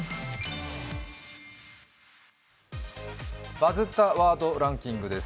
「バズったワードランキング」です。